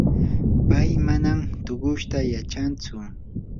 pay manam tushuyta yachantsu.